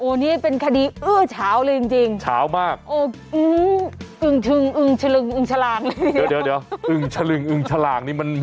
โอ๊ยนี่เป็นคดีเอื้อเฉาเลยจริงเฉามากโอ๊ยอึงทึงอึงฉลึงอึงฉลางเดี๋ยวอึงฉลึงอึงฉลางนี่มัน